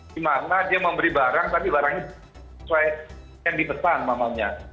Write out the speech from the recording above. di mana dia memberi barang tapi barangnya sesuai yang dipesan mamanya